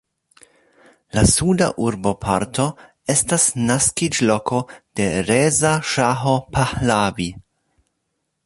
La suda urboparto estas naskiĝloko de Reza Ŝaho Pahlavi.